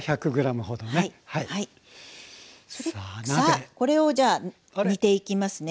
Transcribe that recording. さあこれをじゃ煮ていきますね。